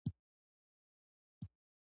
مات لاس غاړي ته لویږي .